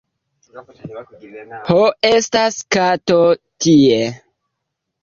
Ho, estas kato tie...